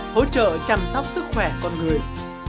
hỗ trợ chăm sóc sức khỏe con người